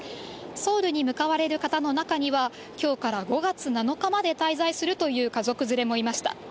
ソウルに向かわれる方の中には、きょうから５月７日まで滞在するという家族連れもいました。